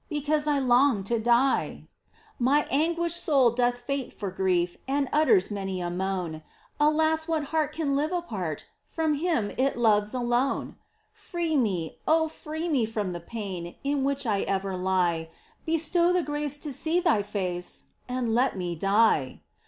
Because I long to die ! My anguished soul doth faint for grief And utters many a moan ! Alas ! what heart can live apart From Him it loves alone ? Free me, oh free me, from the pain In which I ever lie ! Bestow the grace to see Thy face. And let me die